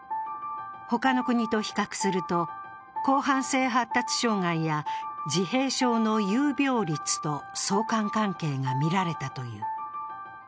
他の国と比較すると、広汎性発達障害や自閉症の有病率と相関関係がみられたという。